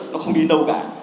nó không đi đâu cả